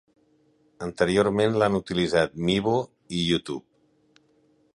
Anteriorment l'han utilitzat Meebo i YouTube.